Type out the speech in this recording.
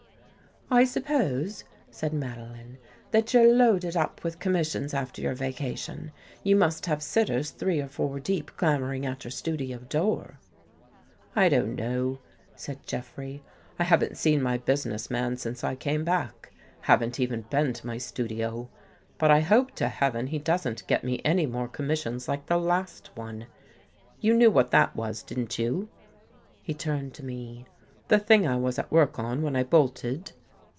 " I suppose," said Madeline, " that you're loaded up with commissions after your vacation. You must have sitters three or four deep clamoring at your studio door." " I don't know," said Jeffrey. " I haven't seen my business man since I came back. Haven't even been to my studio. But I hope to heaven he doesn't get me any more commissions like the last one. You knew what that was, didn't you?" He turned to me. " The thing I was at work on when I bolted?